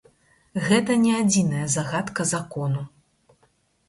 Гэта не адзіная загадка закону.